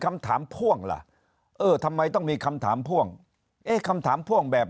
คำถามพ่วงล่ะเออทำไมต้องมีคำถามพ่วงเอ๊ะคำถามพ่วงแบบ